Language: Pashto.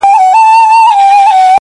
له سپاهيانو يې ساتلم پټولم!!